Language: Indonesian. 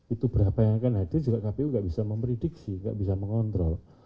itu berapa yang akan hadir juga kpu nggak bisa memprediksi nggak bisa mengontrol